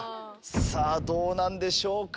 さぁどうなんでしょうか？